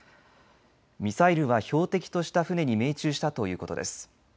ミサイルは標的とした船に命中したということです。